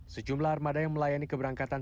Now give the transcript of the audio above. sejumlah armada yang melayani keberangkatan